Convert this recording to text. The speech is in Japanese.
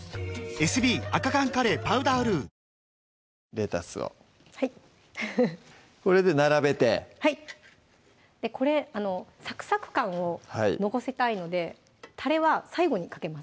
レタスをこれで並べてはいこれサクサク感を残したいのでたれは最後にかけます